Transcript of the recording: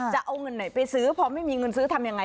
จะเอาเงินไหนไปซื้อพอไม่มีเงินซื้อทำยังไง